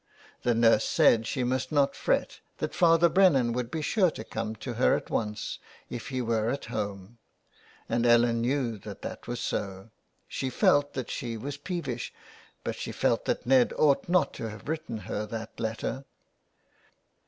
The nurse said she must not fret, that Father Brennan would be sure to come to her at once if he were at home, and Ellen knew that that was so ; she felt that she was peevish, but she felt that Ned ought not to have written her that letter.